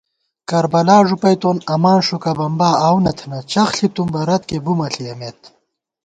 کربلا ݫُپَئیتون اماں ݭُکہ بمبا آؤو نہ تھنہ چخ ݪِتُم بہ رتکےبُمہ ݪِیَمېت